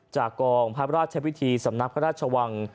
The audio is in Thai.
จากกองพระราชวิธีสำนักพระราชวัง